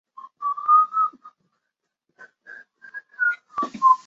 该校是以教师教育专业为主的本科院校。